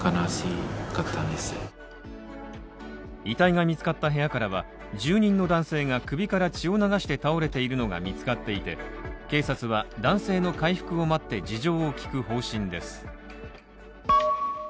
遺体が見つかった部屋からは住人の男性が首から血を流して倒れているのが見つかっていて警察は男性の回復を待って事情を聴く方針です。